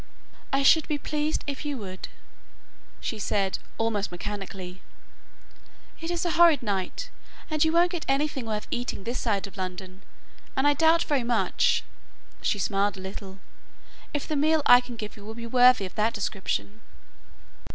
"I should be pleased, if you would," she said, almost mechanically; "it is a horrid night and you won't get anything worth eating this side of London and I doubt very much," she smiled a little, "if the meal I can give you will be worthy of that description."